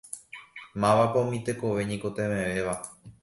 Mávapa umi tekove ñaikotevẽvéva?